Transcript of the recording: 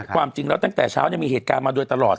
ความจริงแล้วตั้งแต่เช้ามีเหตุการณ์มาโดยตลอด